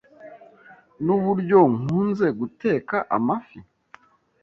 Nuburyo nkunze guteka amafi.